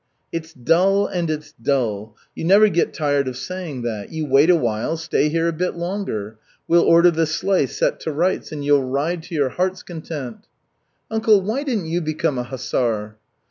"It's dull, and it's dull! You never get tired of saying that. You wait a while, stay here a bit longer. We'll order the sleigh set to rights, and you'll ride to your heart's content." "Uncle, why didn't you become a hussar?"